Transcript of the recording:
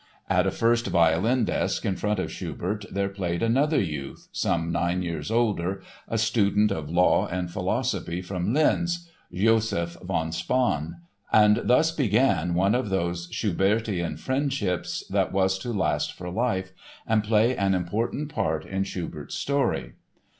At a first violin desk in front of Schubert there played another youth, some nine years older, a student of law and philosophy from Linz, Josef von Spaun, and thus began one of those Schubertian friendships that was to last for life and play an important part in Schubert's story.